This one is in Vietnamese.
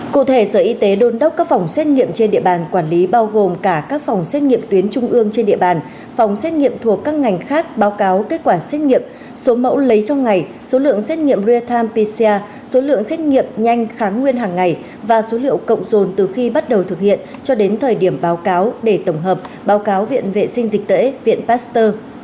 cụ thể sở y tế đôn đốc các phòng xét nghiệm trên địa bàn quản lý bao gồm cả các phòng xét nghiệm tuyến trung ương trên địa bàn phòng xét nghiệm thuộc các ngành khác báo cáo kết quả xét nghiệm số mẫu lấy trong ngày số lượng xét nghiệm rare time pcr số lượng xét nghiệm nhanh kháng nguyên hàng ngày và số liệu cộng dồn từ khi bắt đầu thực hiện cho đến thời điểm báo cáo để tổng hợp báo cáo viện vệ sinh dịch tễ viện pasteur